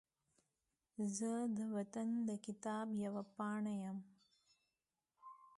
زه د وطن د کتاب یوه پاڼه یم